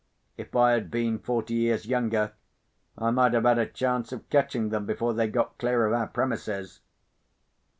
If I had been forty years younger, I might have had a chance of catching them before they got clear of our premises.